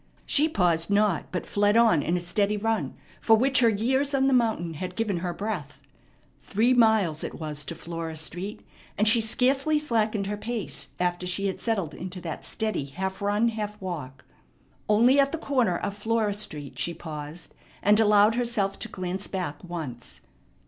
She paused not, but fled on in a steady run, for which her years on the mountain had given her breath. Three miles it was to Flora Street, and she scarcely slackened her pace after she had settled into that steady half run, half walk. Only at the corner of Flora Street she paused, and allowed herself to glance back once.